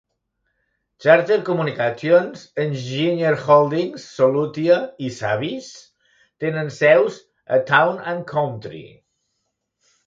"Charter Communications", "Energizer Holdings", "Solutia" i "Savvis" tenen seus a "Town and Country".